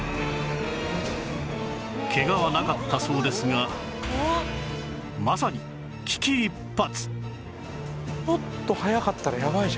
ケガはなかったそうですがまさに危機一髪